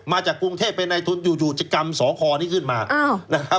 มาจากกรุงเทพฯไปในทุนอยู่จะกำสอคอนี้ขึ้นมา